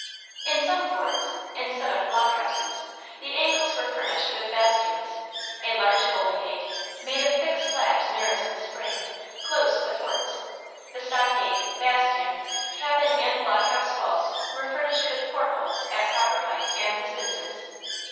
] In some forts, instead of block houses, the angles were furnished with bastions; a large folding gate, made of thick slabs nearest the spring, closed the forts; the stockade, bastion, cabin, and block house walls were furnished with port holes at proper heights and distances.